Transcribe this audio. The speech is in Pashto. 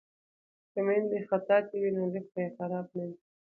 که میندې خطاطې وي نو لیک به خراب نه وي.